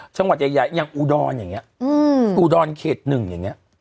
จังหวัดใหญ่ยังอูดอนอย่างนี่